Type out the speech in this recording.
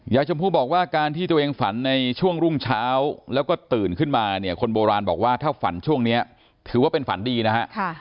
ชมพู่บอกว่าการที่ตัวเองฝันในช่วงรุ่งเช้าแล้วก็ตื่นขึ้นมาเนี่ยคนโบราณบอกว่าถ้าฝันช่วงนี้ถือว่าเป็นฝันดีนะฮะ